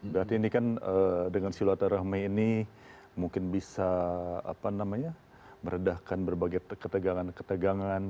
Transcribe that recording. berarti ini kan dengan silaturahmi ini mungkin bisa meredahkan berbagai ketegangan ketegangan